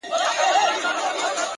مثبت بدلون له دننه پیلېږي.